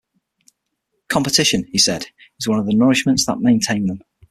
Competition, he said, is one of the nourishments that maintain them.